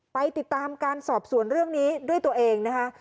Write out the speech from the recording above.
ไปติดตามการสอบสวนเรื่องนี้ด้วยตัวเองนะคะ